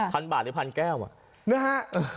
พันบาทหรือพันแก้วอะ